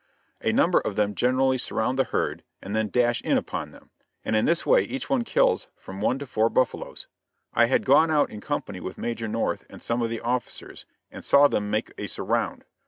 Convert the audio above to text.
A number of them generally surround the herd and then dash in upon them, and in this way each one kills from one to four buffaloes. I had gone out in company with Major North and some of the officers, and saw them make a "surround."